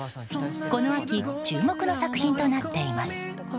この秋注目の作品となっています。